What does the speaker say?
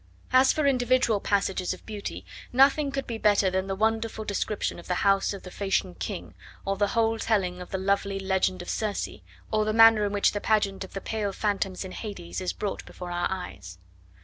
As for individual passages of beauty, nothing could be better than the wonderful description of the house of the Phoeacian king, or the whole telling of the lovely legend of Circe, or the manner in which the pageant of the pale phantoms in Hades is brought before our eyes.